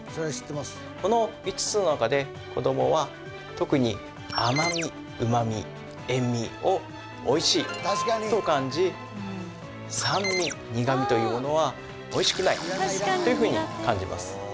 この５つの中で子どもは特に甘味うま味塩味をおいしいと感じ酸味苦味というものはおいしくないというふうに感じます